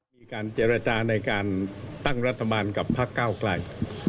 มีการเจรจาในการตั้งรัฐบาลกับพักเก้าไกล